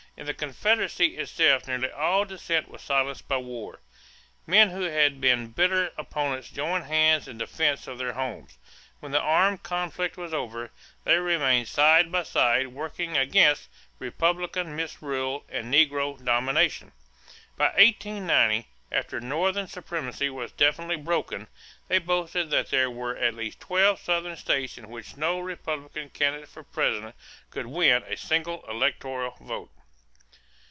In the Confederacy itself nearly all dissent was silenced by war. Men who had been bitter opponents joined hands in defense of their homes; when the armed conflict was over they remained side by side working against "Republican misrule and negro domination." By 1890, after Northern supremacy was definitely broken, they boasted that there were at least twelve Southern states in which no Republican candidate for President could win a single electoral vote.